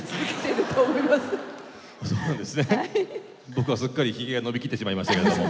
僕はすっかりひげが伸び切ってしまいましたけれども。